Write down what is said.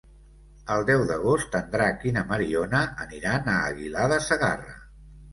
El deu d'agost en Drac i na Mariona aniran a Aguilar de Segarra.